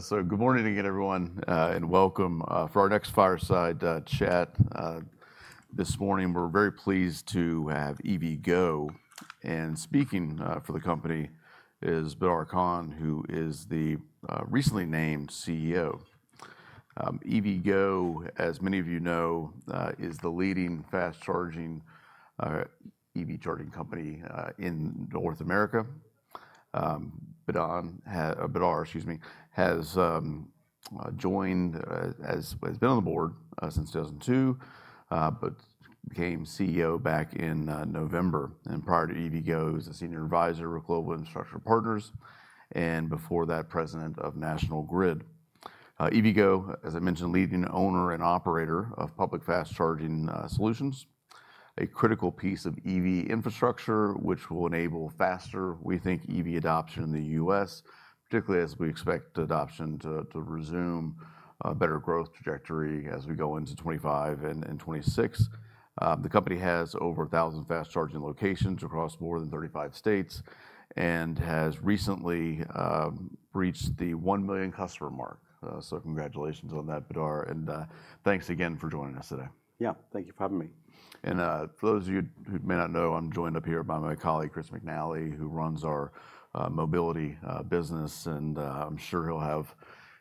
So good morning again, everyone, and welcome for our next fireside chat this morning. We're very pleased to have EVgo speaking for the company is Badar Khan, who is the recently named CEO. EVgo, as many of you know, is the leading fast charging EV charging company in North America. Badar, excuse me, has joined, has been on the board since 2002, but became CEO back in November. Prior to EVgo, he was a senior advisor with Global Infrastructure Partners, and before that, president of National Grid. EVgo, as I mentioned, is the leading owner and operator of public fast charging solutions, a critical piece of EV infrastructure which will enable faster, we think, EV adoption in the U.S., particularly as we expect adoption to resume a better growth trajectory as we go into 2025 and 2026. The company has over 1,000 fast charging locations across more than 35 states and has recently reached the 1 million customer mark. Congratulations on that, Badar. Thanks again for joining us today. Yeah, thank you for having me. And for those of you who may not know, I'm joined up here by my colleague, Chris McNally, who runs our mobility business. And I'm sure he'll have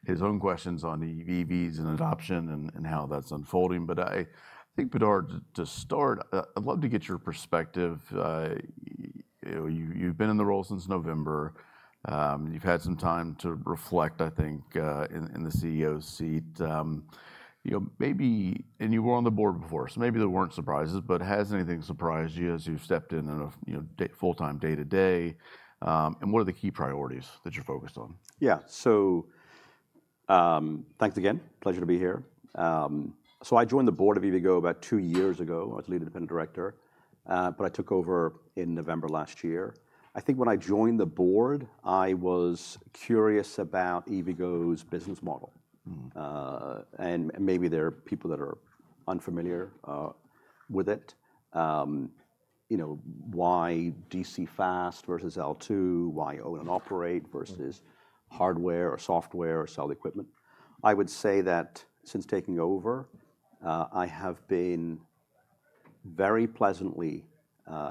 his own questions on EVs and adoption and how that's unfolding. But I think, Badar, to start, I'd love to get your perspective. You've been in the role since November. You've had some time to reflect, I think, in the CEO seat. You know, maybe, and you were on the board before, so maybe there weren't surprises, but has anything surprised you as you've stepped in on a full-time day-to-day? And what are the key priorities that you're focused on? Yeah, so thanks again. Pleasure to be here. So I joined the board of EVgo about two years ago. I was lead independent director, but I took over in November last year. I think when I joined the board, I was curious about EVgo's business model. And maybe there are people that are unfamiliar with it. You know, why DC fast versus L2, why own and operate versus hardware or software or sell equipment? I would say that since taking over, I have been very pleasantly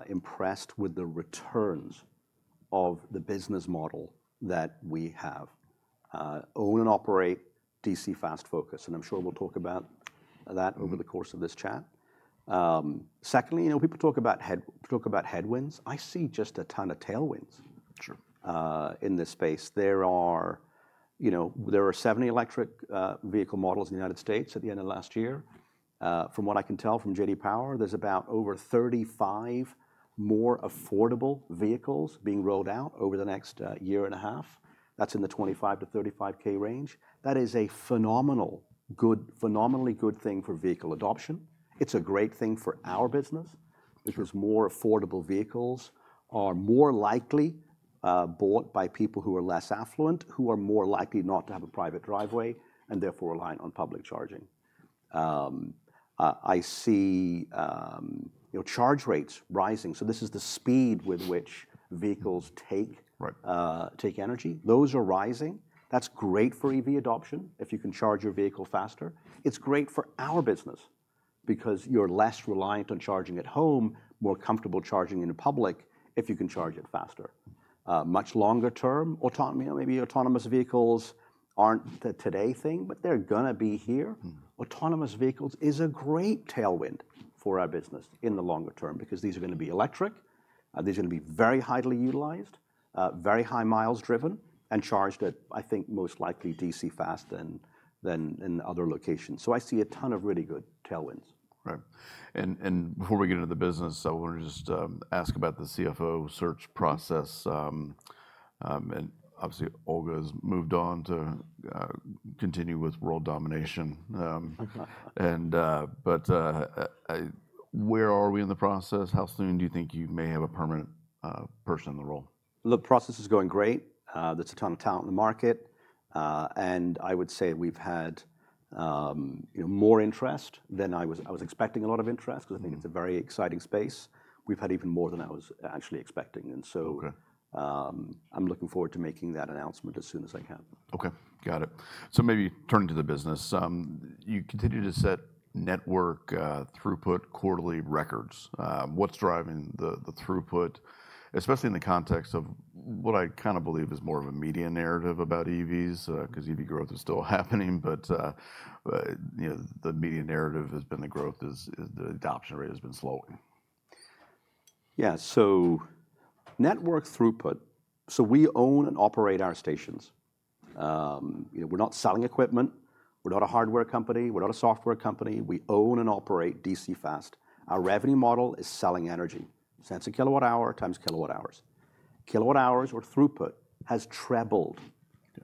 impressed with the returns of the business model that we have, own and operate DC fast focus. And I'm sure we'll talk about that over the course of this chat. Secondly, you know, people talk about headwinds. I see just a ton of tailwinds in this space. There are 70 electric vehicle models in the United States at the end of last year. From what I can tell from J.D. Power, there's about over 35 more affordable vehicles being rolled out over the next year and a half. That's in the $25,000-$35,000 range. That is a phenomenally good thing for vehicle adoption. It's a great thing for our business because more affordable vehicles are more likely bought by people who are less affluent, who are more likely not to have a private driveway and therefore rely on public charging. I see charge rates rising. So this is the speed with which vehicles take energy. Those are rising. That's great for EV adoption if you can charge your vehicle faster. It's great for our business because you're less reliant on charging at home, more comfortable charging in public if you can charge it faster. Much longer-term autonomy, maybe autonomous vehicles aren't a today thing, but they're going to be here. Autonomous vehicles is a great tailwind for our business in the longer term because these are going to be electric. These are going to be very highly utilized, very high miles driven, and charged at, I think, most likely DC fast than in other locations. So I see a ton of really good tailwinds. Right. Before we get into the business, I want to just ask about the CFO search process. Obviously, Olga has moved on to continue with world domination. Where are we in the process? How soon do you think you may have a permanent person in the role? Look, the process is going great. There's a ton of talent in the market. And I would say we've had more interest than I was expecting, a lot of interest, because I think it's a very exciting space. We've had even more than I was actually expecting. And so I'm looking forward to making that announcement as soon as I can. Okay, got it. So maybe turning to the business, you continue to set network throughput quarterly records. What's driving the throughput, especially in the context of what I kind of believe is more of a media narrative about EVs? Because EV growth is still happening, but the media narrative has been the growth is the adoption rate has been slowing. Yeah, so network throughput. So we own and operate our stations. We're not selling equipment. We're not a hardware company. We're not a software company. We own and operate DC fast. Our revenue model is selling energy. So that's a kilowatt hour times kilowatt hours. Kilowatt hours or throughput has trebled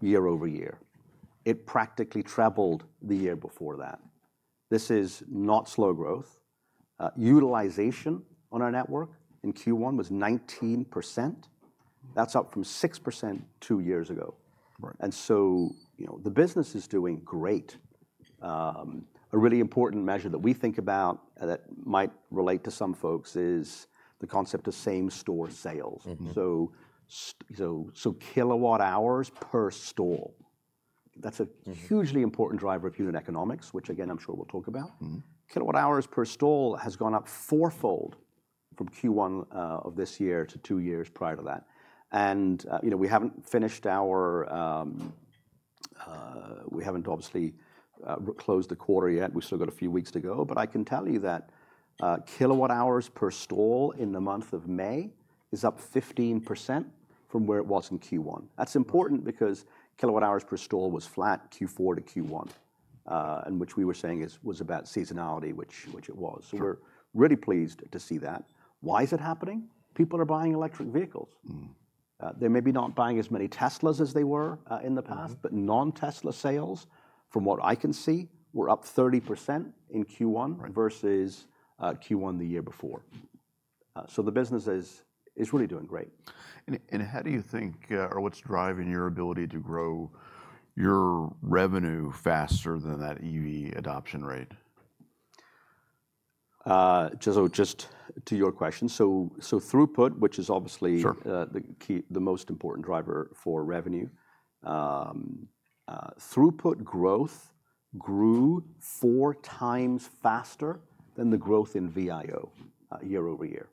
year-over-year. It practically trebled the year before that. This is not slow growth. Utilization on our network in Q1 was 19%. That's up from 6% two years ago. And so the business is doing great. A really important measure that we think about that might relate to some folks is the concept of same-store sales. So kilowatt hours per stall, that's a hugely important driver of unit economics, which again, I'm sure we'll talk about. Kilowatt hours per stall has gone up fourfold from Q1 of this year to two years prior to that. We haven't finished. We haven't obviously closed the quarter yet. We still got a few weeks to go. But I can tell you that kilowatt hours per stall in the month of May is up 15% from where it was in Q1. That's important because kilowatt hours per stall was flat Q4 to Q1, in which we were saying was about seasonality, which it was. We're really pleased to see that. Why is it happening? People are buying electric vehicles. They're maybe not buying as many Teslas as they were in the past, but non-Tesla sales, from what I can see, were up 30% in Q1 versus Q1 the year before. So the business is really doing great. How do you think, or what's driving your ability to grow your revenue faster than that EV adoption rate? So, just to your question, throughput, which is obviously the most important driver for revenue, throughput growth grew four times faster than the growth in VIO year-over-year.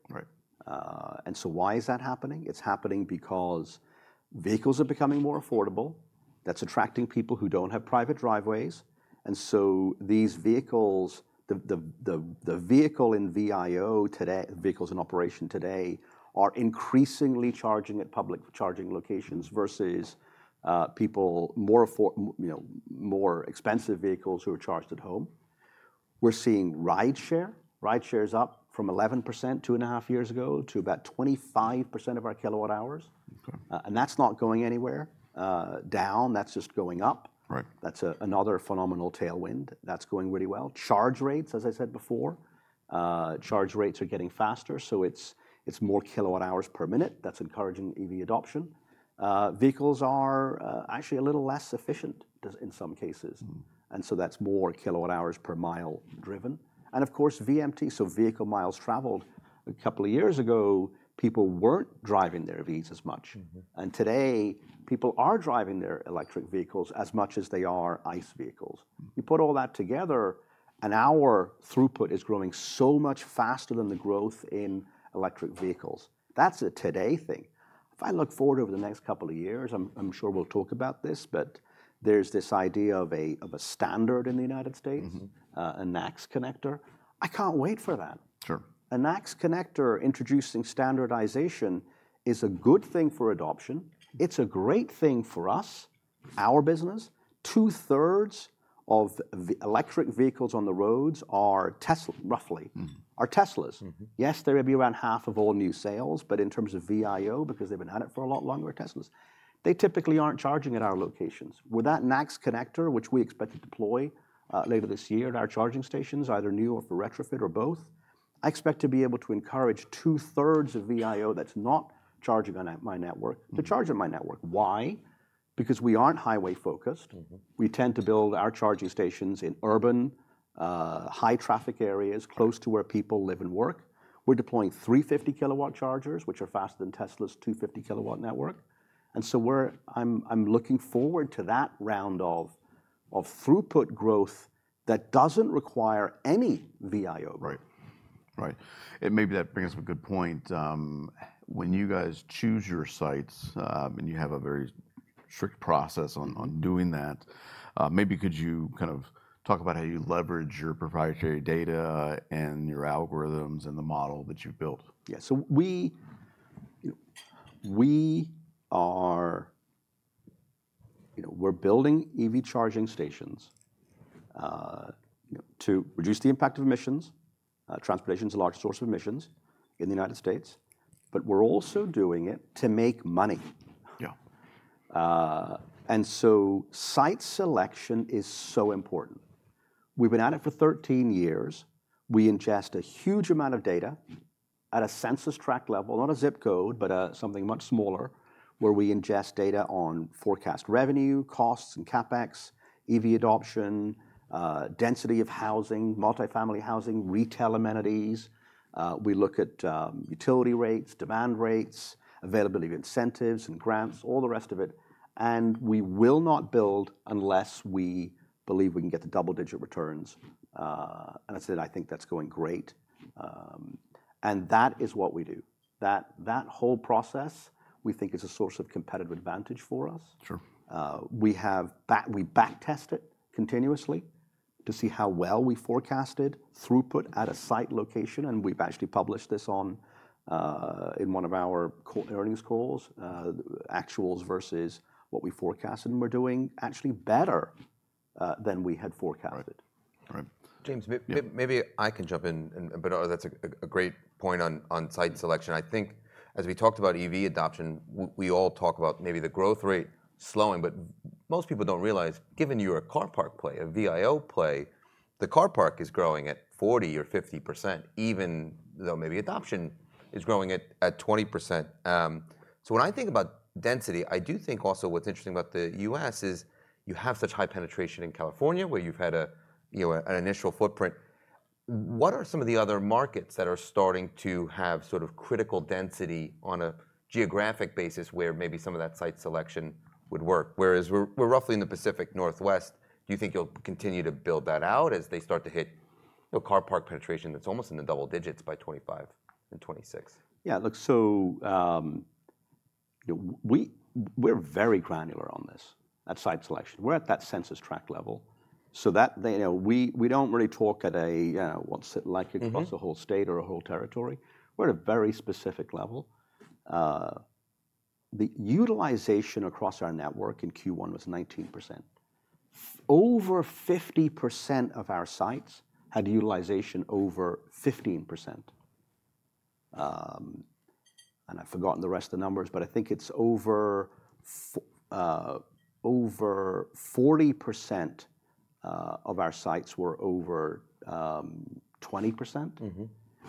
Why is that happening? It's happening because vehicles are becoming more affordable. That's attracting people who don't have private driveways. These vehicles, the vehicles in VIO today, vehicles in operation today, are increasingly charging at public charging locations versus people, more expensive vehicles who are charged at home. We're seeing rideshare. Rideshare is up from 11% two and a half years ago to about 25% of our kilowatt hours. And that's not going anywhere down. That's just going up. That's another phenomenal tailwind. That's going really well. Charge rates, as I said before, charge rates are getting faster. So it's more kilowatt hours per minute. That's encouraging EV adoption. Vehicles are actually a little less efficient in some cases. And so that's more kilowatt hours per mile driven. And of course, VMT, so vehicle miles traveled. A couple of years ago, people weren't driving their EVs as much. And today, people are driving their electric vehicles as much as they are ICE vehicles. You put all that together, an hour throughput is growing so much faster than the growth in electric vehicles. That's a today thing. If I look forward over the next couple of years, I'm sure we'll talk about this, but there's this idea of a standard in the United States, a NACS connector. I can't wait for that. A NACS connector introducing standardization is a good thing for adoption. It's a great thing for us, our business. 2/3 of the electric vehicles on the roads are Tesla, roughly, are Teslas. Yes, there will be around half of all new sales, but in terms of VIO, because they've been at it for a lot longer, Teslas, they typically aren't charging at our locations. With that NACS connector, which we expect to deploy later this year at our charging stations, either new or for retrofit or both, I expect to be able to encourage two-thirds of VIO that's not charging on my network to charge on my network. Why? Because we aren't highway-focused. We tend to build our charging stations in urban, high-traffic areas close to where people live and work. We're deploying 350 kW chargers, which are faster than Tesla's 250 kW network. And so I'm looking forward to that round of throughput growth that doesn't require any VIO. Right. Right. Maybe that brings up a good point. When you guys choose your sites and you have a very strict process on doing that, maybe could you kind of talk about how you leverage your proprietary data and your algorithms and the model that you've built? Yeah, so we are building EV charging stations to reduce the impact of emissions. Transportation is a large source of emissions in the United States, but we're also doing it to make money. Site selection is so important. We've been at it for 13 years. We ingest a huge amount of data at a census tract level, not a ZIP code, but something much smaller, where we ingest data on forecast revenue, costs and CapEx, EV adoption, density of housing, multifamily housing, retail amenities. We look at utility rates, demand rates, availability of incentives and grants, all the rest of it. We will not build unless we believe we can get the double-digit returns. I said, I think that's going great. That is what we do. That whole process, we think is a source of competitive advantage for us. We backtest it continuously to see how well we forecasted throughput at a site location. We've actually published this in one of our earnings calls, actuals versus what we forecasted. We're doing actually better than we had forecasted. All right. James, maybe I can jump in, but that's a great point on site selection. I think as we talked about EV adoption, we all talk about maybe the growth rate slowing, but most people don't realize, given your car park play, a VIO play, the car park is growing at 40% or 50%, even though maybe adoption is growing at 20%. So when I think about density, I do think also what's interesting about the U.S. is you have such high penetration in California where you've had an initial footprint. What are some of the other markets that are starting to have sort of critical density on a geographic basis where maybe some of that site selection would work? Whereas we're roughly in the Pacific Northwest, do you think you'll continue to build that out as they start to hit car park penetration that's almost in the double digits by 2025 and 2026? Yeah, look, so we're very granular on this at site selection. We're at that census tract level. So we don't really talk at a, what's it like, across the whole state or a whole territory. We're at a very specific level. The utilization across our network in Q1 was 19%. Over 50% of our sites had utilization over 15%. And I've forgotten the rest of the numbers, but I think it's over 40% of our sites were over 20%.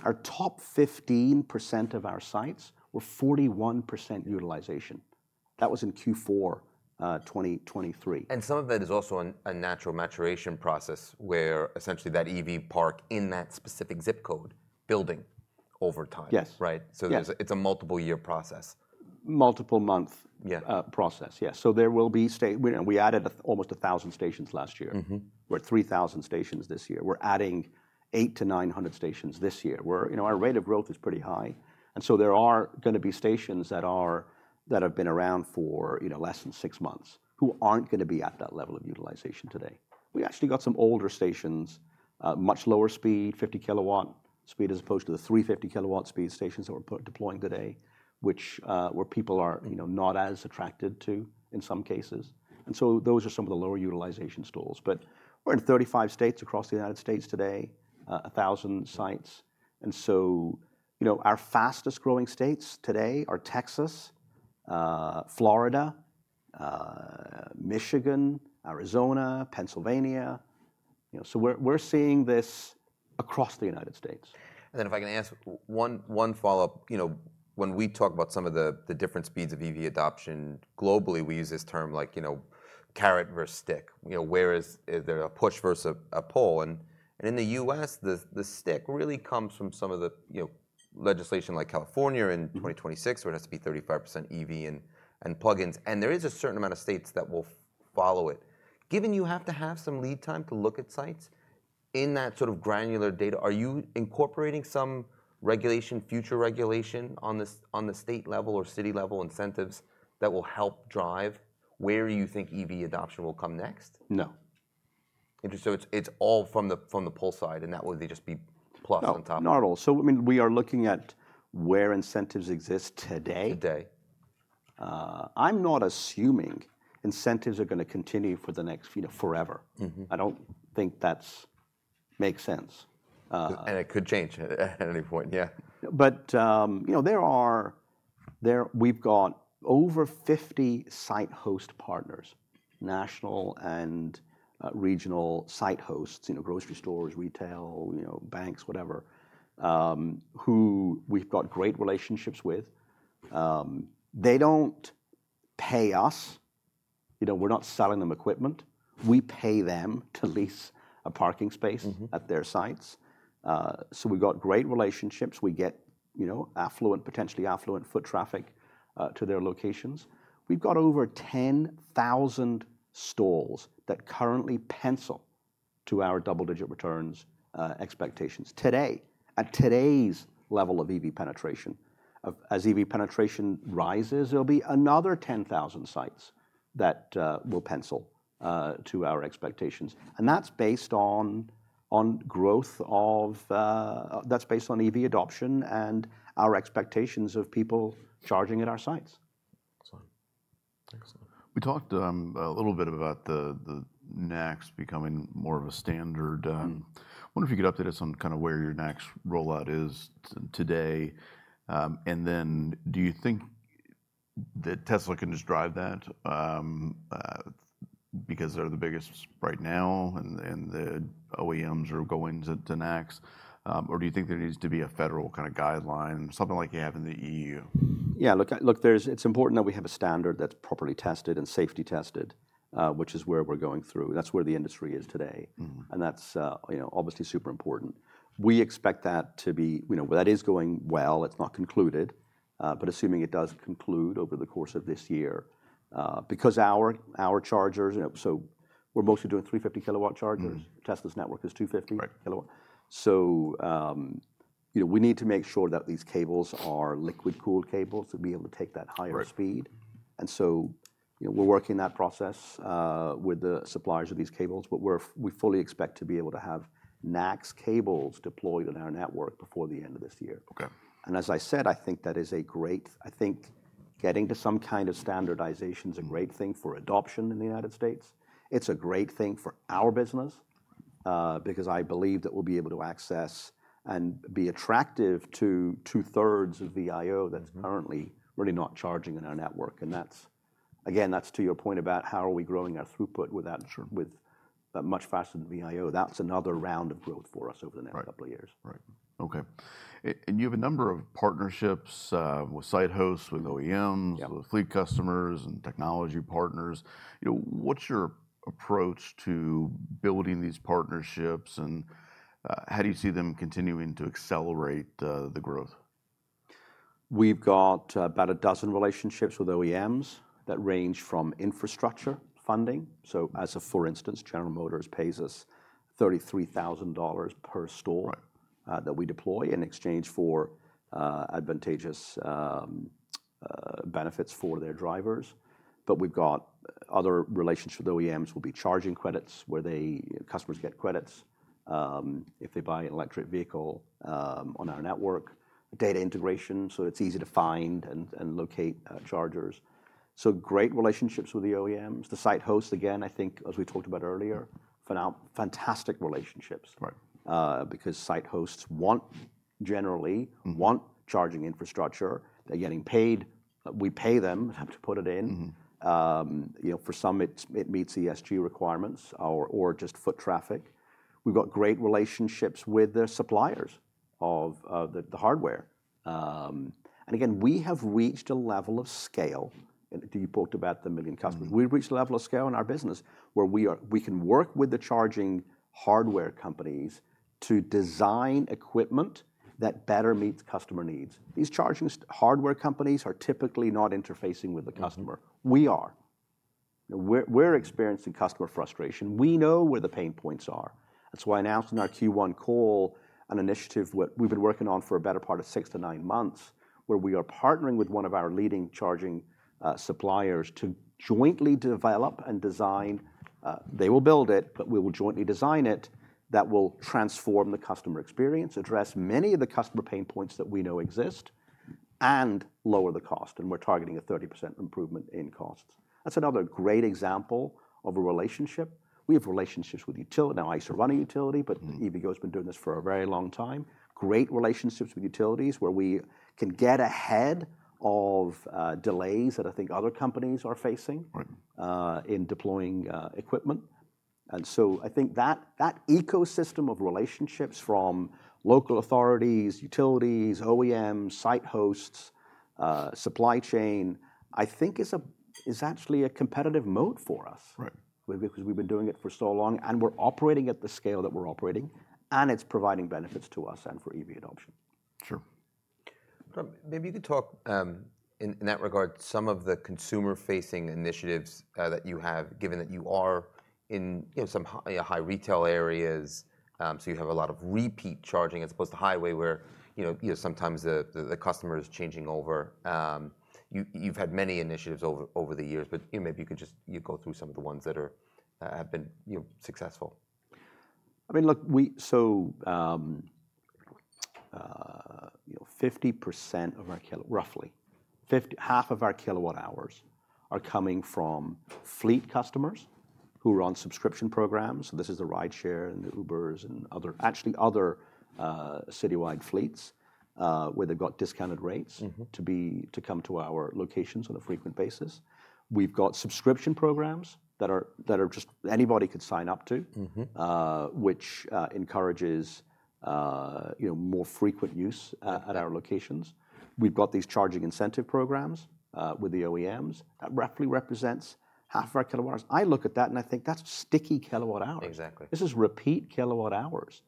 Our top 15% of our sites were 41% utilization. That was in Q4 2023. Some of that is also a natural maturation process where essentially that EV park in that specific ZIP code building over time. Yes. Right? So it's a multiple-year process. Multiple-month process. Yeah. So there will be state. We added almost 1,000 stations last year. We're at 3,000 stations this year. We're adding 800-900 stations this year. Our rate of growth is pretty high. And so there are going to be stations that have been around for less than six months who aren't going to be at that level of utilization today. We actually got some older stations, much lower speed, 50 kW speed as opposed to the 350 kW speed stations that we're deploying today, which where people are not as attracted to in some cases. And so those are some of the lower utilization stalls. But we're in 35 states across the United States today, 1,000 sites. And so our fastest growing states today are Texas, Florida, Michigan, Arizona, Pennsylvania. So we're seeing this across the United States. Then if I can ask one follow-up, when we talk about some of the different speeds of EV adoption globally, we use this term like carrot versus stick. Where is there a push versus a pull? And in the U.S., the stick really comes from some of the legislation like California in 2026, where it has to be 35% EV and plug-ins. And there is a certain amount of states that will follow it. Given you have to have some lead time to look at sites in that sort of granular data, are you incorporating some regulation, future regulation on the state level or city level incentives that will help drive where you think EV adoption will come next? No. Interesting. So it's all from the pull side, and that would just be plus on top. Not at all. So I mean, we are looking at where incentives exist today. Today. I'm not assuming incentives are going to continue for the next forever. I don't think that makes sense. And it could change at any point. Yeah. But we've got over 50 site host partners, national and regional site hosts, grocery stores, retail, banks, whatever, who we've got great relationships with. They don't pay us. We're not selling them equipment. We pay them to lease a parking space at their sites. So we've got great relationships. We get affluent, potentially affluent foot traffic to their locations. We've got over 10,000 stalls that currently pencil to our double-digit returns expectations today, at today's level of EV penetration. As EV penetration rises, there'll be another 10,000 sites that will pencil to our expectations. And that's based on growth of EV adoption and our expectations of people charging at our sites. Excellent. Excellent. We talked a little bit about the NACS becoming more of a standard. I wonder if you could update us on kind of where your NACS rollout is today? And then do you think that Tesla can just drive that because they're the biggest right now and the OEMs are going to NACS? Or do you think there needs to be a federal kind of guideline, something like you have in the EU? Yeah, look, it's important that we have a standard that's properly tested and safety tested, which is where we're going through. That's where the industry is today. And that's obviously super important. We expect that to be that is going well. It's not concluded, but assuming it does conclude over the course of this year, because our chargers, so we're mostly doing 350 kilowatt chargers. Tesla's network is 250 kilowatt. So we need to make sure that these cables are liquid-cooled cables to be able to take that higher speed. And so we're working that process with the suppliers of these cables, but we fully expect to be able to have NACS cables deployed in our network before the end of this year. As I said, I think getting to some kind of standardization is a great thing for adoption in the United States. It's a great thing for our business because I believe that we'll be able to access and be attractive to two-thirds of VIO that's currently really not charging in our network. And again, that's to your point about how are we growing our throughput with that much faster than VIO. That's another round of growth for us over the next couple of years. Right. Right. Okay. You have a number of partnerships with site hosts, with OEMs, with fleet customers and technology partners. What's your approach to building these partnerships and how do you see them continuing to accelerate the growth? We've got about a dozen relationships with OEMs that range from infrastructure funding. So as a for instance, General Motors pays us $33,000 per stall that we deploy in exchange for advantageous benefits for their drivers. But we've got other relationships with OEMs will be charging credits where customers get credits if they buy an electric vehicle on our network, data integration, so it's easy to find and locate chargers. So great relationships with the OEMs. The site hosts, again, I think, as we talked about earlier, fantastic relationships because site hosts generally want charging infrastructure. They're getting paid. We pay them to put it in. For some, it meets ESG requirements or just foot traffic. We've got great relationships with their suppliers of the hardware. And again, we have reached a level of scale. You talked about the million customers. We've reached a level of scale in our business where we can work with the charging hardware companies to design equipment that better meets customer needs. These charging hardware companies are typically not interfacing with the customer. We are. We're experiencing customer frustration. We know where the pain points are. That's why I announced in our Q1 call an initiative we've been working on for a better part of 6-9 months where we are partnering with one of our leading charging suppliers to jointly develop and design. They will build it, but we will jointly design it that will transform the customer experience, address many of the customer pain points that we know exist, and lower the cost. And we're targeting a 30% improvement in costs. That's another great example of a relationship. We have relationships with utility. Now, I used to run a utility, but EVgo has been doing this for a very long time. Great relationships with utilities where we can get ahead of delays that I think other companies are facing in deploying equipment. I think that ecosystem of relationships from local authorities, utilities, OEMs, site hosts, supply chain, I think is actually a competitive moat for us because we've been doing it for so long and we're operating at the scale that we're operating and it's providing benefits to us and for EV adoption. Sure. Maybe you could talk in that regard, some of the consumer-facing initiatives that you have, given that you are in some high retail areas, so you have a lot of repeat charging as opposed to highway where sometimes the customer is changing over. You've had many initiatives over the years, but maybe you could just go through some of the ones that have been successful. I mean, look, so 50% of our roughly half of our kilowatt hours are coming from fleet customers who are on subscription programs. So this is the rideshare and the Ubers and actually other citywide fleets where they've got discounted rates to come to our locations on a frequent basis. We've got subscription programs that anybody could sign up to, which encourages more frequent use at our locations. We've got these charging incentive programs with the OEMs. That roughly represents half of our kilowatt hours. I look at that and I think that's sticky kilowatt hours. This is repeat kilowatt hours.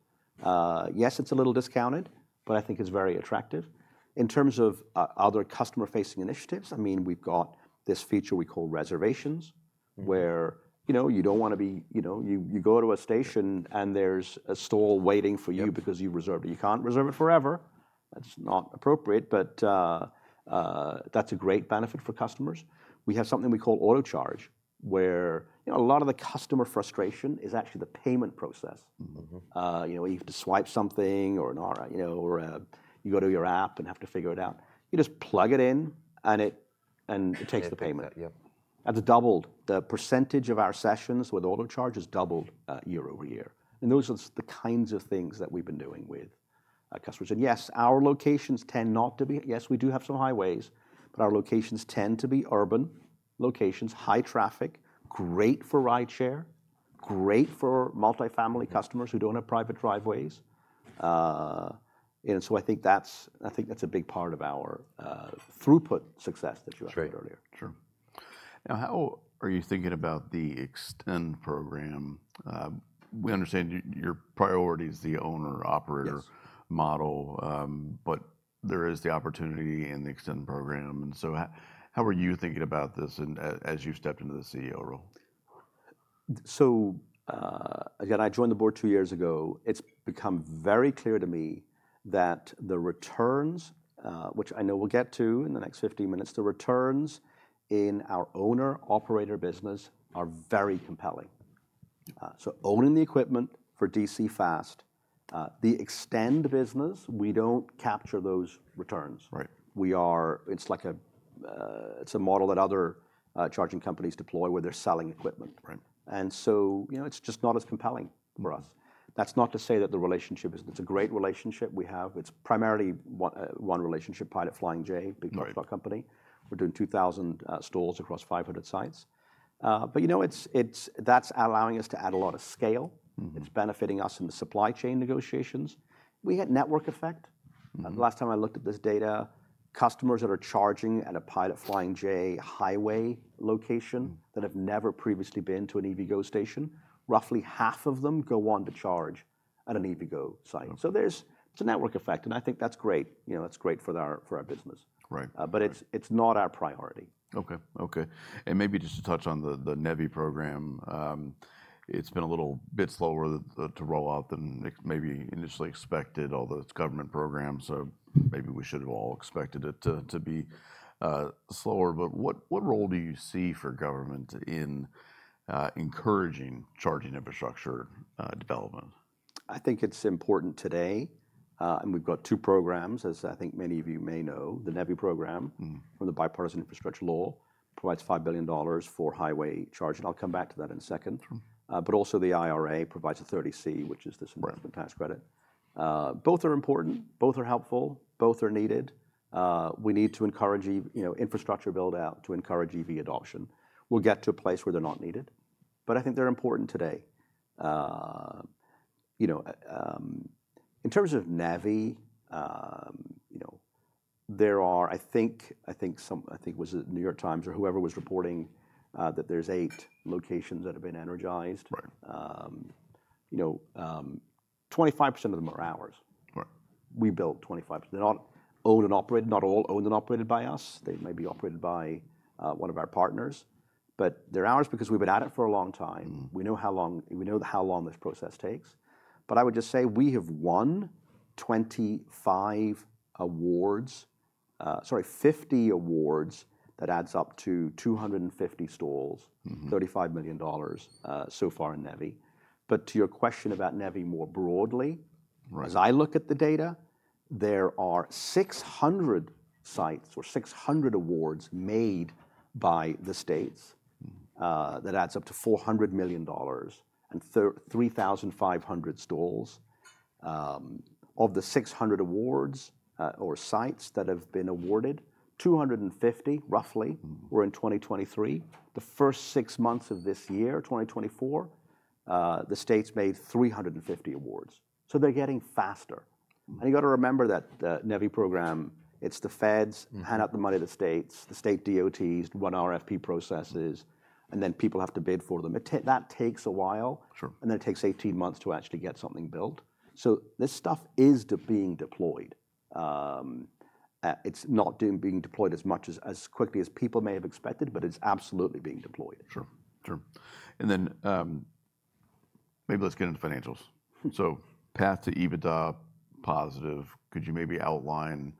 Yes, it's a little discounted, but I think it's very attractive. In terms of other customer-facing initiatives, I mean, we've got this feature we call reservations where you don't want to be, you go to a station and there's a stall waiting for you because you reserved it. You can't reserve it forever. That's not appropriate, but that's a great benefit for customers. We have something we call Autocharge+ where a lot of the customer frustration is actually the payment process. You have to swipe something or you go to your app and have to figure it out. You just plug it in and it takes the payment. That's doubled. The percentage of our sessions with Autocharge+ has doubled year-over-year. And those are the kinds of things that we've been doing with customers. And yes, our locations tend not to be. Yes, we do have some highways, but our locations tend to be urban locations, high traffic, great for rideshare, great for multifamily customers who don't have private driveways. And so I think that's a big part of our throughput success that you alluded earlier. Sure. Sure. Now, how are you thinking about the eXtend program? We understand your priority is the owner-operator model, but there is the opportunity in the eXtend program. And so how are you thinking about this as you stepped into the CEO role? So again, I joined the board two years ago. It's become very clear to me that the returns, which I know we'll get to in the next 15 minutes, the returns in our owner-operator business are very compelling. So owning the equipment for DC fast, the extend business, we don't capture those returns. It's like a model that other charging companies deploy where they're selling equipment. And so it's just not as compelling for us. That's not to say that the relationship isn't; it's a great relationship we have. It's primarily one relationship, Pilot Flying J, big large cloud company. We're doing 2,000 stalls across 500 sites. But that's allowing us to add a lot of scale. It's benefiting us in the supply chain negotiations. We had network effect. Last time I looked at this data, customers that are charging at a Pilot Flying J highway location that have never previously been to an EVgo station, roughly half of them go on to charge at an EVgo site. So there's a network effect, and I think that's great. That's great for our business. But it's not our priority. Okay. Okay. And maybe just to touch on the NEVI program, it's been a little bit slower to roll out than maybe initially expected, although it's government program, so maybe we should have all expected it to be slower. But what role do you see for government in encouraging charging infrastructure development? I think it's important today. We've got two programs, as I think many of you may know. The NEVI program from the Bipartisan Infrastructure Law provides $5 billion for highway charging. I'll come back to that in a second. But also the IRA provides a 30C, which is this investment tax credit. Both are important. Both are helpful. Both are needed. We need to encourage infrastructure build-out to encourage EV adoption. We'll get to a place where they're not needed, but I think they're important today. In terms of NEVI, there are, I think was it The New York Times or whoever was reporting that there's eight locations that have been energized. 25% of them are ours. We built 25%. They're not owned and operated. Not all owned and operated by us. They may be operated by one of our partners, but they're ours because we've been at it for a long time. We know how long this process takes. But I would just say we have won 25 awards, sorry, 50 awards that adds up to 250 stalls, $35 million so far in NEVI. But to your question about NEVI more broadly, as I look at the data, there are 600 sites or 600 awards made by the states that adds up to $400 million and 3,500 stalls. Of the 600 awards or sites that have been awarded, roughly 250 were in 2023. The first six months of this year, 2024, the states made 350 awards. So they're getting faster. You got to remember that NEVI program, it's the feds hand out the money to the states, the state DOTs run RFP processes, and then people have to bid for them. That takes a while, and then it takes 18 months to actually get something built. This stuff is being deployed. It's not being deployed as quickly as people may have expected, but it's absolutely being deployed. Sure. Sure. And then maybe let's get into financials. So path to EBITDA positive. Could you maybe outline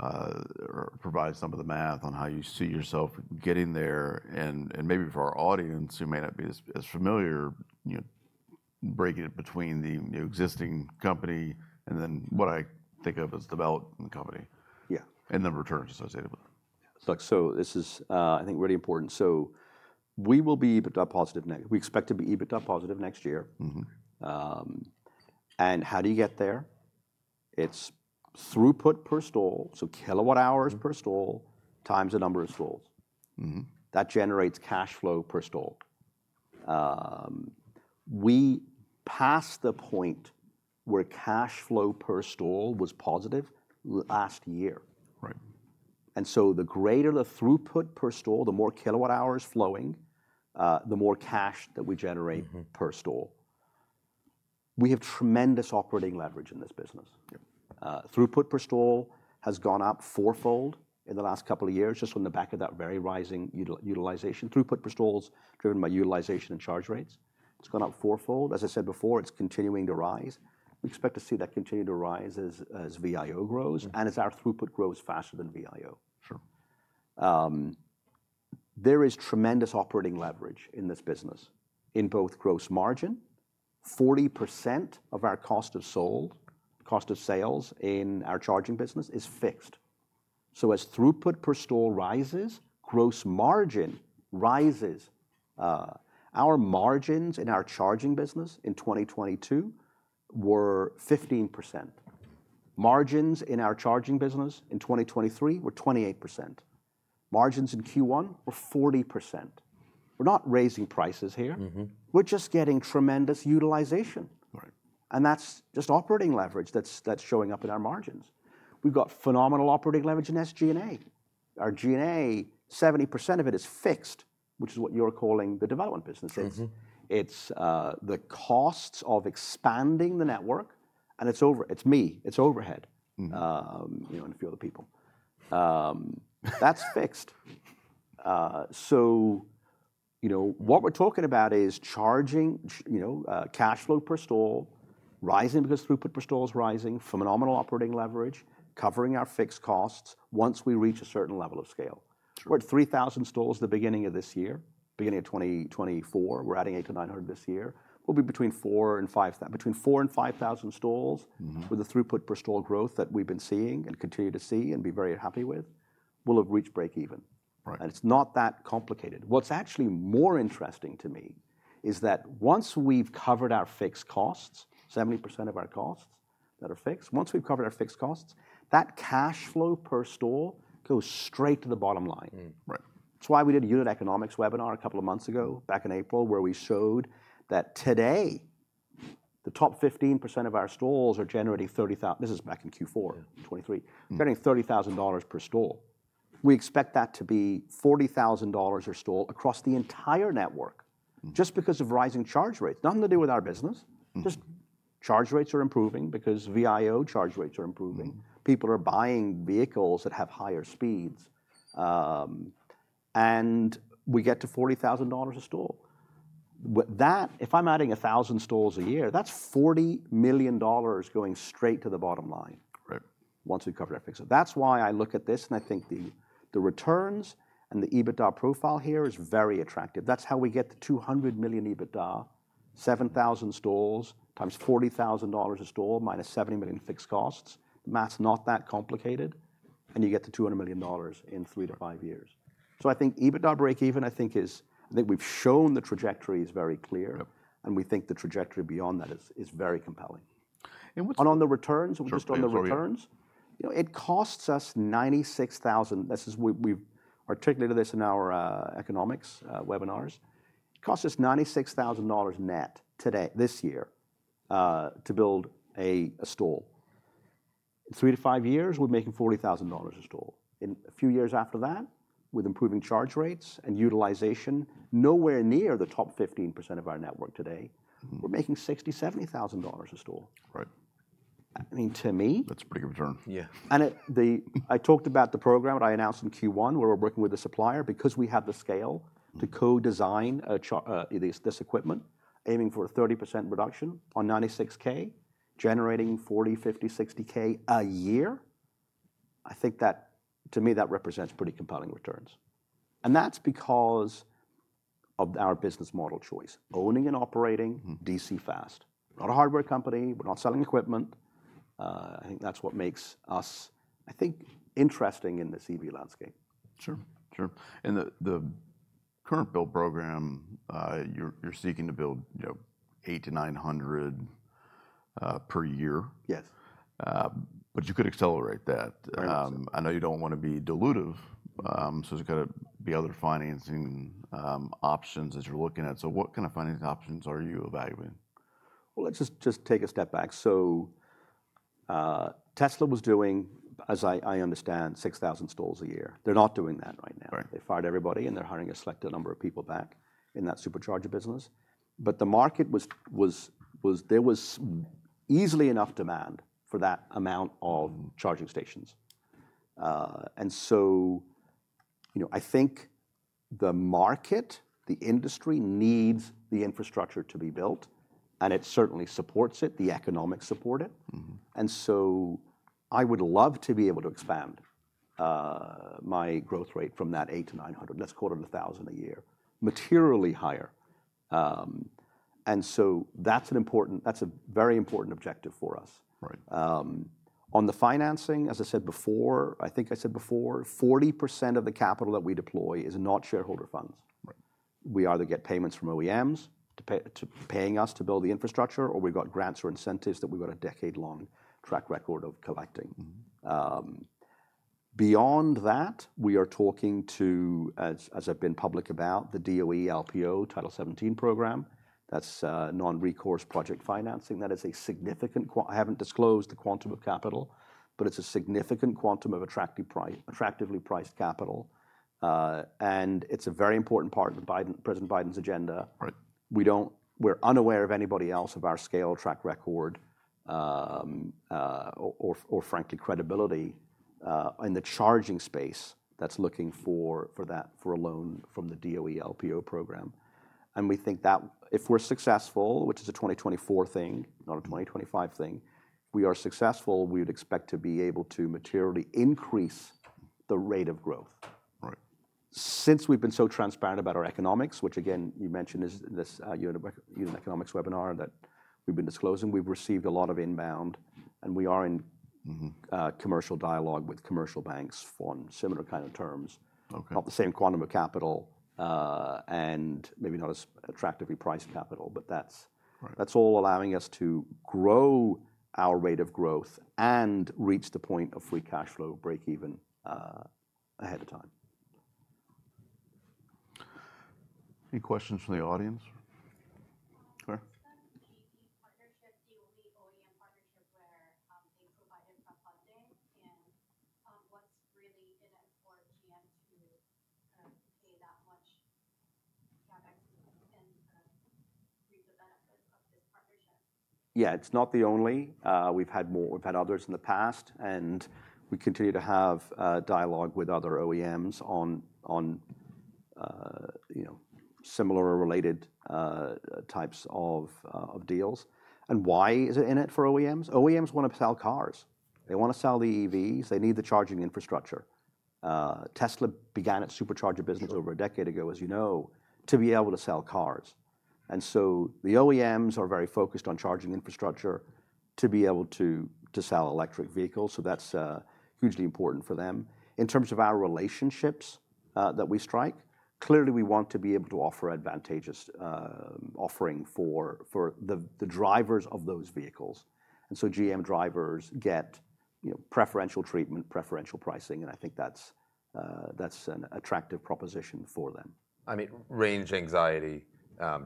or provide some of the math on how you see yourself getting there? And maybe for our audience who may not be as familiar, breaking it between the existing company and then what I think of as developing the company and then returns associated with it. So this is, I think, really important. So we will be EBITDA positive next. We expect to be EBITDA positive next year. And how do you get there? It's throughput per stall, so kilowatt hours per stall times the number of stalls. That generates cash flow per stall. We passed the point where cash flow per stall was positive last year. And so the greater the throughput per stall, the more kilowatt hours flowing, the more cash that we generate per stall. We have tremendous operating leverage in this business. Throughput per stall has gone up fourfold in the last couple of years just on the back of that very rising utilization. Throughput per stall is driven by utilization and charge rates. It's gone up fourfold. As I said before, it's continuing to rise. We expect to see that continue to rise as VIO grows and as our throughput grows faster than VIO. There is tremendous operating leverage in this business in both gross margin. 40% of our cost of goods sold, cost of sales in our charging business is fixed. So as throughput per stall rises, gross margin rises. Our margins in our charging business in 2022 were 15%. Margins in our charging business in 2023 were 28%. Margins in Q1 were 40%. We're not raising prices here. We're just getting tremendous utilization. And that's just operating leverage that's showing up in our margins. We've got phenomenal operating leverage in SG&A. Our G&A, 70% of it is fixed, which is what you're calling the development business. It's the costs of expanding the network, and it's overhead. It's overhead. And a few other people. That's fixed. So what we're talking about is charging cash flow per stall rising because throughput per stall is rising, phenomenal operating leverage, covering our fixed costs once we reach a certain level of scale. We're at 3,000 stalls at the beginning of this year, beginning of 2024. We're adding 800-900 this year. We'll be between 4,000-5,000 stalls with the throughput per stall growth that we've been seeing and continue to see and be very happy with. We'll have reached breakeven. And it's not that complicated. What's actually more interesting to me is that once we've covered our fixed costs, 70% of our costs that are fixed, once we've covered our fixed costs, that cash flow per stall goes straight to the bottom line. That's why we did a unit economics webinar a couple of months ago, back in April, where we showed that today the top 15% of our stalls are generating $30,000. This is back in Q4 2023. Generating $30,000 per stall. We expect that to be $40,000 per stall across the entire network just because of rising charge rates. Nothing to do with our business. Just charge rates are improving because VIO charge rates are improving. People are buying vehicles that have higher speeds. And we get to $40,000 a stall. If I'm adding 1,000 stalls a year, that's $40 million going straight to the bottom line once we've covered our fixed rates. That's why I look at this and I think the returns and the EBITDA profile here is very attractive. That's how we get the $200 million EBITDA, 7,000 stalls times $40,000 a stall minus $70 million fixed costs. The math's not that complicated. And you get to $200 million in 3-5 years. So I think EBITDA breakeven, I think we've shown the trajectory is very clear. And we think the trajectory beyond that is very compelling. And on the returns, just on the returns, it costs us $96,000. This is we've articulated this in our economics webinars. It costs us $96,000 net today, this year, to build a stall. In 3-5 years, we're making $40,000 a stall. In a few years after that, with improving charge rates and utilization, nowhere near the top 15% of our network today, we're making $60,000-$70,000 a stall. I mean, to me. That's a pretty good return. Yeah. And I talked about the program that I announced in Q1 where we're working with the supplier because we have the scale to co-design this equipment, aiming for a 30% reduction on 96K, generating 40, 50, 60K a year. I think that, to me, that represents pretty compelling returns. And that's because of our business model choice. Owning and operating DC fast. We're not a hardware company. We're not selling equipment. I think that's what makes us, I think, interesting in this EV landscape. Sure. Sure. And the current build program, you're seeking to build 8-900 per year. Yes. But you could accelerate that. Very interesting. I know you don't want to be dilutive. There's got to be other financing options as you're looking at. So what kind of financing options are you evaluating? Well, let's just take a step back. So Tesla was doing, as I understand, 6,000 stalls a year. They're not doing that right now. They fired everybody and they're hiring a selected number of people back in that supercharger business. But the market, there was easily enough demand for that amount of charging stations. And so I think the market, the industry needs the infrastructure to be built. And it certainly supports it. The economics support it. And so I would love to be able to expand my growth rate from that 8 to 900. Let's call it 1,000 a year. Materially higher. And so that's an important, that's a very important objective for us. On the financing, as I said before, I think I said before, 40% of the capital that we deploy is not shareholder funds. We either get payments from OEMs paying us to build the infrastructure or we've got grants or incentives that we've got a decade-long track record of collecting. Beyond that, we are talking to, as I've been public about, the DOE LPO Title 17 program. That's non-recourse project financing. That is a significant quantum. I haven't disclosed the quantum of capital, but it's a significant quantum of attractively priced capital. And it's a very important part of President Biden's agenda. We're unaware of anybody else of our scale, track record, or frankly, credibility in the charging space that's looking for a loan from the DOE LPO program. And we think that if we're successful, which is a 2024 thing, not a 2025 thing, if we are successful, we would expect to be able to materially increase the rate of growth. Since we've been so transparent about our economics, which again, you mentioned in this unit economics webinar that we've been disclosing, we've received a lot of inbound. And we are in commercial dialogue with commercial banks on similar kind of terms, not the same quantum of capital and maybe not as attractively priced capital, but that's all allowing us to grow our rate of growth and reach the point of free cash flow breakeven ahead of time. Any questions from the audience? The GE partnership, DOE OEM partnership where they provide infra funding. What's really in it for GM to pay that much CapEx and reap the benefits of this partnership? Yeah, it's not the only. We've had others in the past. We continue to have dialogue with other OEMs on similar or related types of deals. Why is it in it for OEMs? OEMs want to sell cars. They want to sell the EVs. They need the charging infrastructure. Tesla began its supercharger business over a decade ago, as you know, to be able to sell cars. The OEMs are very focused on charging infrastructure to be able to sell electric vehicles. That's hugely important for them. In terms of our relationships that we strike, clearly we want to be able to offer an advantageous offering for the drivers of those vehicles. GM drivers get preferential treatment, preferential pricing. I think that's an attractive proposition for them. I mean, range anxiety,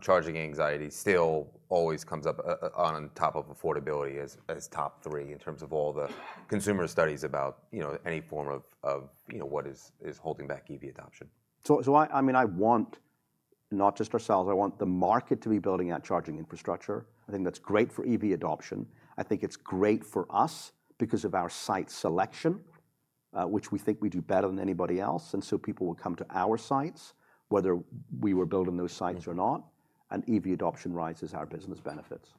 charging anxiety still always comes up on top of affordability as top three in terms of all the consumer studies about any form of what is holding back EV adoption. So, I mean, I want not just ourselves. I want the market to be building out charging infrastructure. I think that's great for EV adoption. I think it's great for us because of our site selection, which we think we do better than anybody else. And so people will come to our sites, whether we were building those sites or not. And EV adoption rises, our business benefits.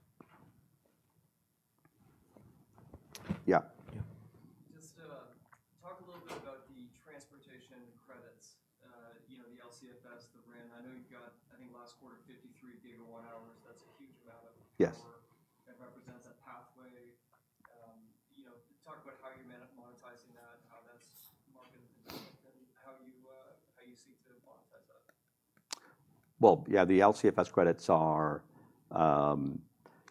Yeah. Just to talk a little bit about the transportation credits, the LCFS, the RAN. I know you've got, I think last quarter, 53 GWh. That's a huge amount of work. That represents a pathway. Talk about how you're monetizing that, how that's marketed and how you seek to monetize that. Well, yeah, the LCFS credits are;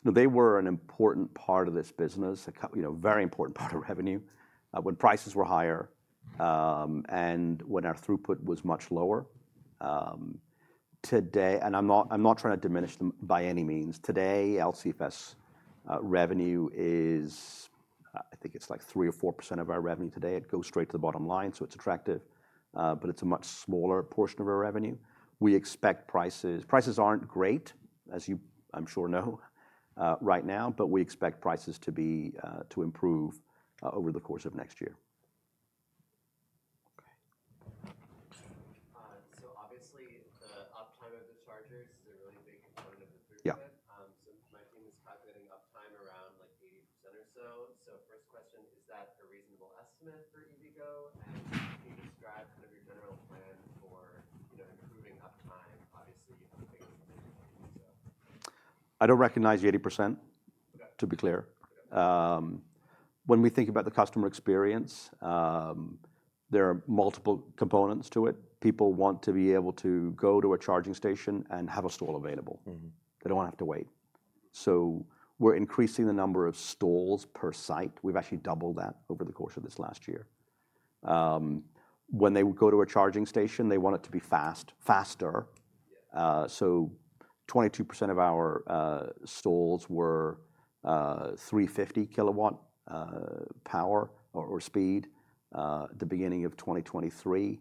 they were an important part of this business, a very important part of revenue when prices were higher and when our throughput was much lower. And I'm not trying to diminish them by any means. Today, LCFS revenue is, I think it's like 3% or 4% of our revenue today. It goes straight to the bottom line. So it's attractive, but it's a much smaller portion of our revenue. We expect prices. Prices aren't great, as you, I'm sure, know right now, but we expect prices to improve over the course of next year. So obviously, the uptime of the chargers is a really big component of the throughput. So my team is calculating uptime around like 80% or so. So first question, is that a reasonable estimate for EVgo? And can you describe kind of your general plan for improving uptime? Obviously, you have things to do. I don't recognize the 80%, to be clear. When we think about the customer experience, there are multiple components to it. People want to be able to go to a charging station and have a stall available. They don't want to have to wait. So we're increasing the number of stalls per site. We've actually doubled that over the course of this last year. When they would go to a charging station, they want it to be faster. So 22% of our stalls were 350 kW power or speed at the beginning of 2023.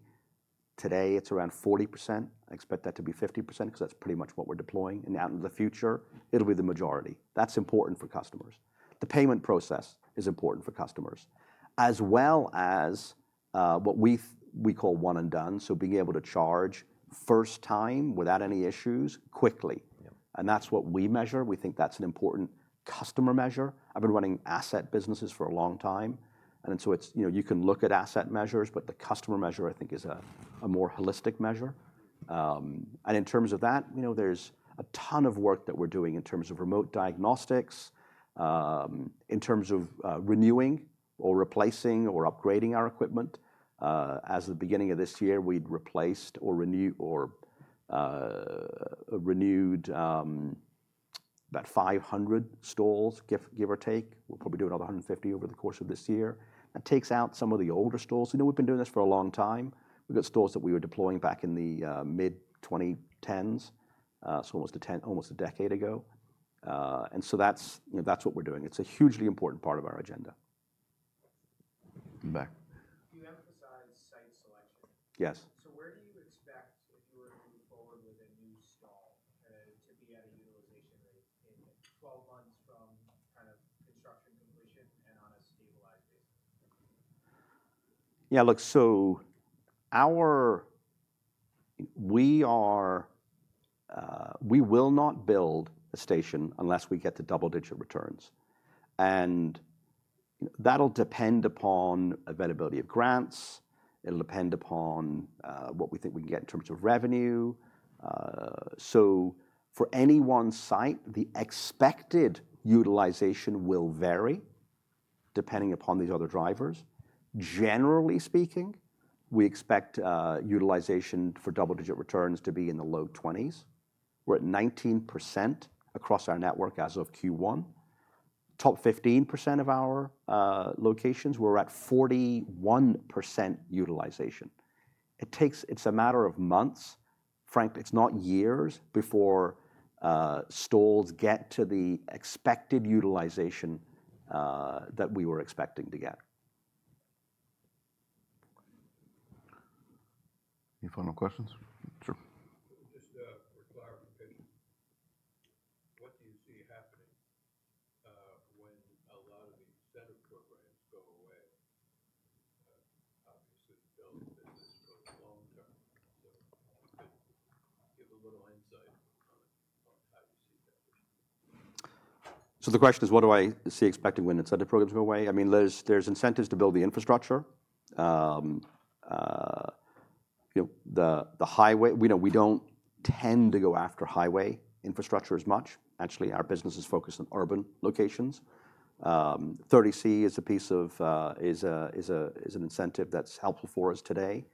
Today, it's around 40%. I expect that to be 50% because that's pretty much what we're deploying. And out in the future, it'll be the majority. That's important for customers. The payment process is important for customers, as well as what we call one and done. So being able to charge first time without any issues quickly. And that's what we measure. We think that's an important customer measure. I've been running asset businesses for a long time. And so you can look at asset measures, but the customer measure, I think, is a more holistic measure. And in terms of that, there's a ton of work that we're doing in terms of remote diagnostics, in terms of renewing or replacing or upgrading our equipment. As of the beginning of this year, we'd replaced or renewed about 500 stalls, give or take. We'll probably do another 150 over the course of this year. That takes out some of the older stalls. We've been doing this for a long time. We've got stalls that we were deploying back in the mid-2010s, so almost a decade ago. And so that's what we're doing. It's a hugely important part of our agenda. Back. You emphasized site selection. Yes. Where do you expect, if you were to move forward with a new stall, to be at a utilization rate in 12 months from kind of construction completion and on a stabilized basis? Yeah, look, so we will not build a station unless we get the double-digit returns. And that'll depend upon availability of grants. It'll depend upon what we think we can get in terms of revenue. So for any one site, the expected utilization will vary depending upon these other drivers. Generally speaking, we expect utilization for double-digit returns to be in the low 20s. We're at 19% across our network as of Q1. Top 15% of our locations, we're at 41% utilization. It's a matter of months, frankly, it's not years before stalls get to the expected utilization that we were expecting to get. Any final questions? Sure. Just for clarification, what do you see happening when a lot of these setup programs go away? Obviously, the building business goes long term. Give a little insight on how you see that. So the question is, what do I see expecting when the setup programs go away? I mean, there's incentives to build the infrastructure. The highway, we don't tend to go after highway infrastructure as much. Actually, our business is focused on urban locations. 30C is a piece of an incentive that's helpful for us today.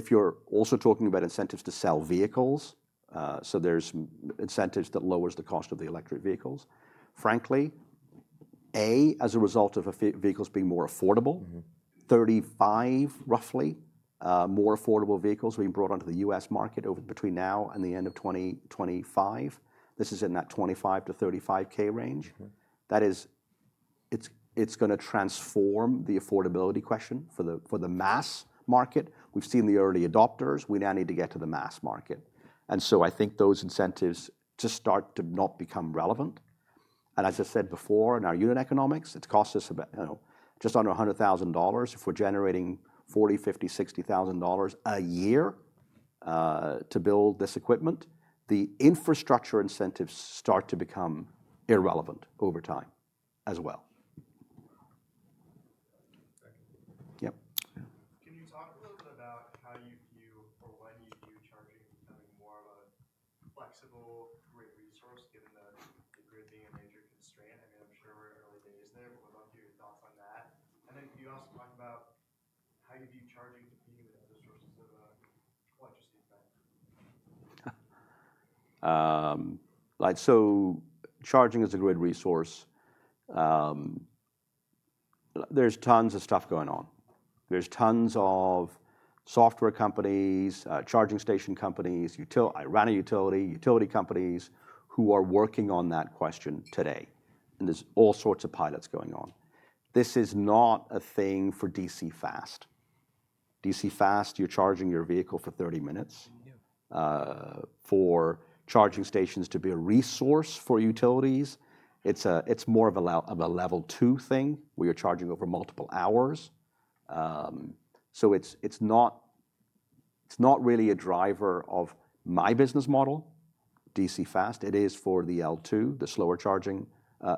If you're also talking about incentives to sell vehicles, so there's incentives that lower the cost of the electric vehicles. Frankly, as a result of vehicles being more affordable, 35, roughly, more affordable vehicles being brought onto the U.S. market between now and the end of 2025. This is in that $25K-$35K range. That is, it's going to transform the affordability question for the mass market. We've seen the early adopters. We now need to get to the mass market. And so I think those incentives just start to not become relevant. As I said before in our unit economics, it's cost us just under $100,000 if we're generating $40,000-$60,000 a year to build this equipment. The infrastructure incentives start to become irrelevant over time as well. Can you talk a little bit about how you view or when you view charging as having more of a flexible grid resource given the grid being a major constraint? I mean, I'm sure we're in early days there, but what about your thoughts on that? And then you also talked about how you view charging competing with other sources of electricity today. So charging is a grid resource. There's tons of stuff going on. There's tons of software companies, charging station companies, arena utility, utility companies who are working on that question today. And there's all sorts of pilots going on. This is not a thing for DC fast. DC fast, you're charging your vehicle for 30 minutes. For charging stations to be a resource for utilities, it's more of a level two thing where you're charging over multiple hours. So it's not really a driver of my business model, DC fast. It is for the L2, the slower charging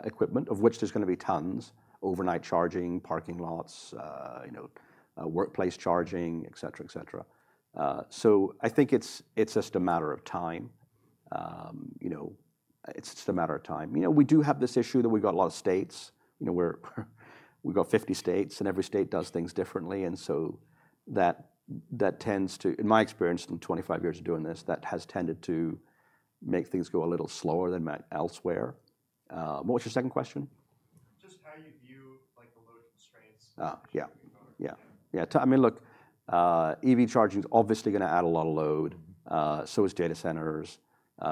equipment, of which there's going to be tons, overnight charging, parking lots, workplace charging, etc., etc. So I think it's just a matter of time. It's just a matter of time. We do have this issue that we've got a lot of states. We've got 50 states, and every state does things differently. And so that tends to, in my experience in 25 years of doing this, that has tended to make things go a little slower than elsewhere. What was your second question? Just how you view the load constraints. Yeah. Yeah. I mean, look, EV charging is obviously going to add a lot of load. So is data centers.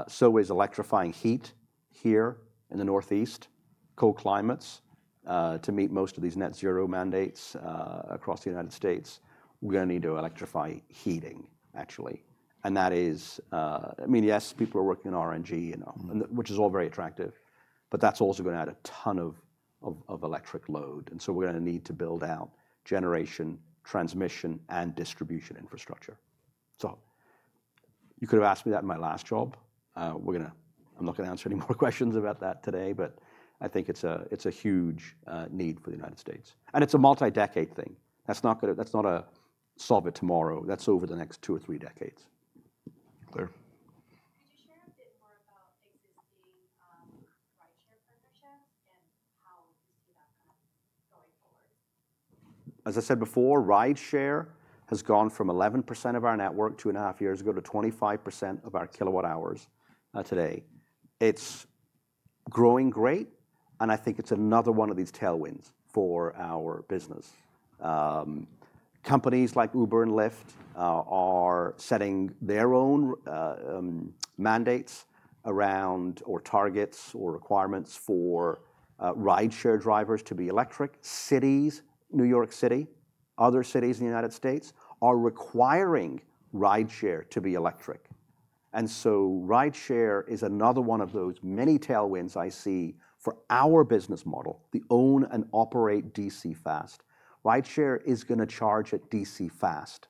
So is electrifying heat here in the Northeast, cold climates. To meet most of these net zero mandates across the United States, we're going to need to electrify heating, actually. And that is, I mean, yes, people are working in R&D, which is all very attractive, but that's also going to add a ton of electric load. And so we're going to need to build out generation, transmission, and distribution infrastructure. So you could have asked me that in my last job. I'm not going to answer any more questions about that today, but I think it's a huge need for the United States. And it's a multi-decade thing. That's not a solve it tomorrow. That's over the next two or three decades. Claire? Could you share a bit more about existing rideshare partnerships and how you see that kind of going forward? As I said before, rideshare has gone from 11% of our network two and a half years ago to 25% of our kilowatt hours today. It's growing great. And I think it's another one of these tailwinds for our business. Companies like Uber and Lyft are setting their own mandates around or targets or requirements for rideshare drivers to be electric. Cities, New York City, other cities in the United States are requiring rideshare to be electric. And so rideshare is another one of those many tailwinds I see for our business model, the own and operate DC fast. Rideshare is going to charge at DC fast.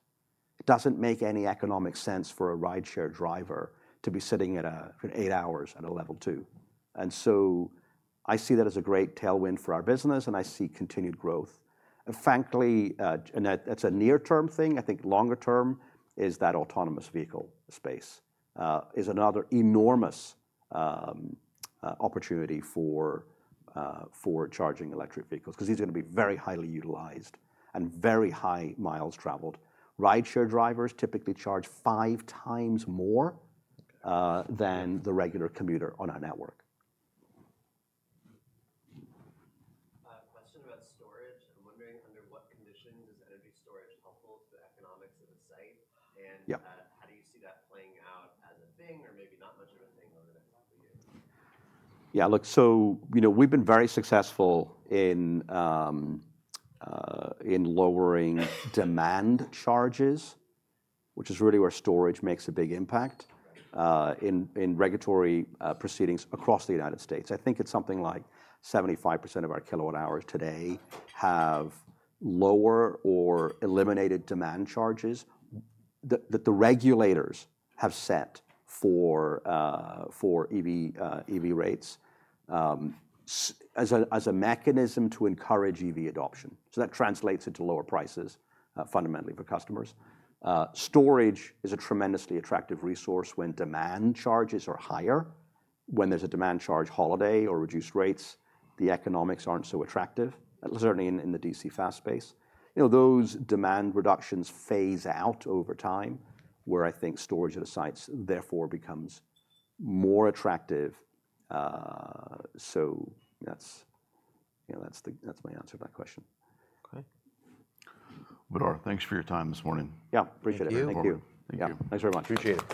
It doesn't make any economic sense for a rideshare driver to be sitting at eight hours at a Level 2. And so I see that as a great tailwind for our business, and I see continued growth. And frankly, that's a near-term thing. I think longer term is that autonomous vehicle space is another enormous opportunity for charging electric vehicles because these are going to be very highly utilized and very high miles traveled. Rideshare drivers typically charge five times more than the regular commuter on our network. Question about storage. I'm wondering under what conditions is energy storage helpful to the economics of the site? And how do you see that playing out as a thing or maybe not much of a thing over the next couple of years? Yeah, look, so we've been very successful in lowering demand charges, which is really where storage makes a big impact in regulatory proceedings across the United States. I think it's something like 75% of our kilowatt hours today have lower or eliminated demand charges that the regulators have set for EV rates as a mechanism to encourage EV adoption. So that translates into lower prices fundamentally for customers. Storage is a tremendously attractive resource when demand charges are higher. When there's a demand charge holiday or reduced rates, the economics aren't so attractive, certainly in the DC fast space. Those demand reductions phase out over time where I think storage at a site therefore becomes more attractive. So that's my answer to that question. Okay. Badar, thanks for your time this morning. Yeah, appreciate it. Thank you. Thanks very much. Appreciate it.